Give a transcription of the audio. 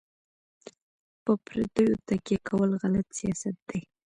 په پردیو تکیه کول غلط سیاست دی.